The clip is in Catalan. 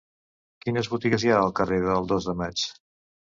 Quines botigues hi ha al carrer del Dos de Maig?